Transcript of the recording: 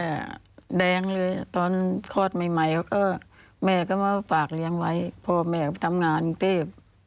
แดงเลยตอนคลอดใหม่เขาก็แม่ก็มาฝากเลี้ยงไว้พ่อแม่ก็ไปทำงานกรุงเทพ